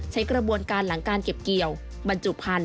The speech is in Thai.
ใช้กระบวนการหลังการเก็บเกี่ยวบรรจุพันธุ